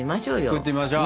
作ってみましょう！